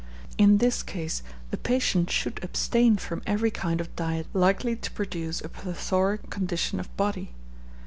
In this case the patient should abstain from every kind of diet likely to produce a plethoric condition of body.